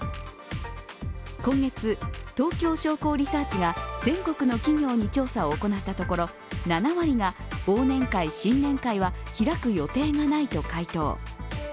今月、東京商工リサーチが全国の企業に調査を行ったところ７割が忘年会・新年会は開く予定がないと回答。